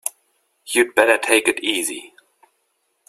You'd better take it easy.